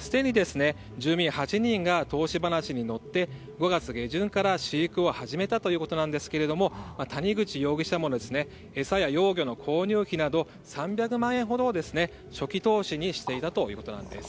すでに住民８人が投資話に乗って５月下旬から飼育を始めたということなんですけれども谷口容疑者も餌や幼魚の購入費など３００万円ほどを初期投資にしていたということなんです。